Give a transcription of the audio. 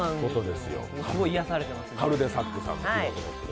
すごい癒やされてます。